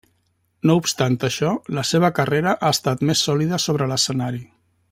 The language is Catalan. No obstant això, la seva carrera ha estat més sòlida sobre l'escenari.